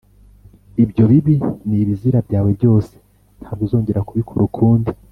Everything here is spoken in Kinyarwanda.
ibyo bibi n’ibizira byawe byose, ntabwo uzongera kubikora ukundi